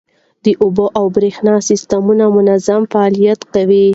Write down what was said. د اوبو او بریښنا سیستمونه منظم فعالیت کوي.